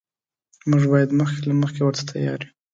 موږ باید مخکې له مخکې ورته تیار یو.